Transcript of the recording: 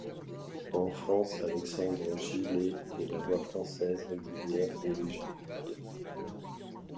En France, Alexandre Gillet est la voix française régulière d'Elijah Wood.